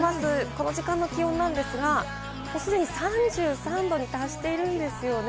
この時間の気温なんですが、すでに３３度に達しているんですよね。